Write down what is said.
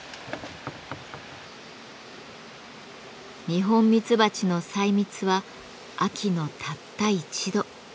ニホンミツバチの採蜜は秋のたった一度。